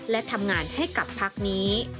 และทำงานให้กับพักนี้